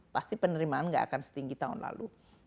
pasti penerimaan nggak akan setinggi tahun lalu